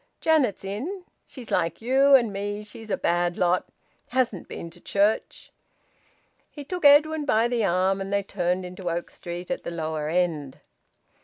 Janet's in. She's like you and me, she's a bad lot, hasn't been to church." He took Edwin by the arm, and they turned into Oak Street at the lower end.